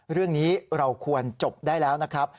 เรื่องนี้เราควรจบได้แล้วนะครับ